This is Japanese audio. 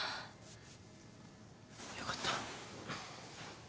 よかった。